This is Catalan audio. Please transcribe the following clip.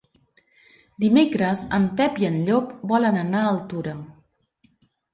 Dimecres en Pep i en Llop volen anar a Altura.